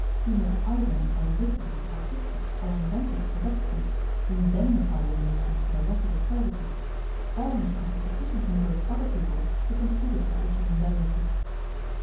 He must either by literary, artistic, or inventive productiveness indemnify the nation for the loss of his services, or must get a sufficient number of other people to contribute to such an indemnity."